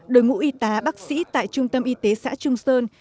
đội ngũ y tá bác sĩ tại trung tâm y tế xã trung sơn